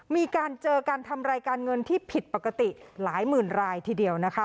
มีการเจอการทำรายการเงินที่ผิดปกติหลายหมื่นรายทีเดียวนะคะ